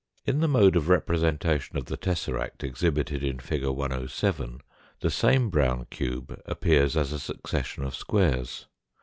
In the mode of representation of the tesseract exhibited in fig. 107, the same brown cube appears as a succession of squares.